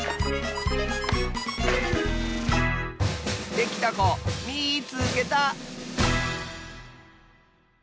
できたこみいつけた！